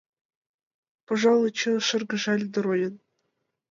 — Пожалуй, чын, — шыргыжале Доронин.